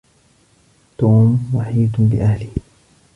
توم وحيد لأهله.